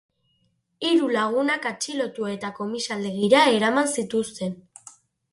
Hiru lagunak atxilotu eta komisaldegira eraman zituzten.